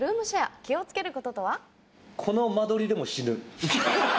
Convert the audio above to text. この間取りでも死ぬ。